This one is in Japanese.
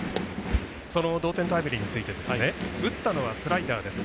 その同点タイムリーについて打ったのはスライダーです。